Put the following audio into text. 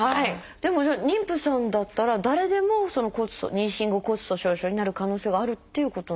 でもじゃあ妊婦さんだったら誰でもその妊娠後骨粗しょう症になる可能性があるっていうことなんですか？